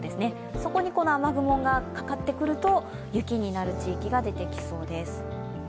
そこにこの雨雲がかかってくると雪になる地域が出てきそうです。